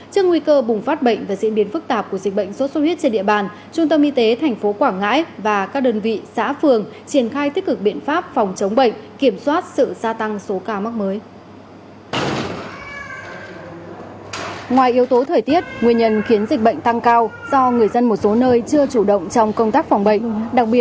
trước nguy cơ bùng phát bệnh và diễn biến phức tạp của dịch bệnh suốt suốt huyết trên địa bàn trung tâm y tế tp quảng ngãi và các đơn vị xã phường triển khai tích cực biện pháp phòng chống bệnh kiểm soát sự gia tăng số ca mắc mới